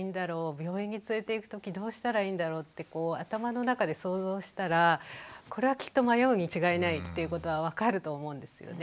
病院に連れていくときどうしたらいいんだろう？って頭の中で想像したらこれはきっと迷うに違いないっていうことは分かると思うんですよね。